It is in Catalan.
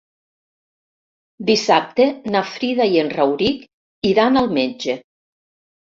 Dissabte na Frida i en Rauric iran al metge.